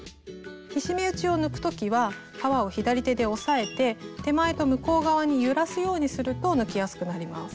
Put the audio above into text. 菱目打ちを抜く時は革を左手で押さえて手前と向こう側に揺らすようにすると抜きやすくなります。